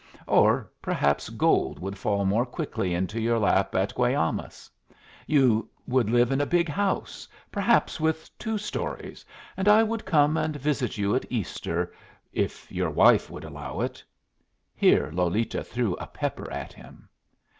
Or perhaps gold would fall more quickly into your lap at Guaymas. You would live in a big house, perhaps with two stories, and I would come and visit you at Easter if your wife would allow it." Here Lolita threw a pepper at him.